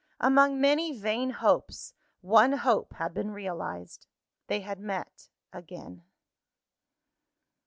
Among many vain hopes, one hope had been realised: they had met again.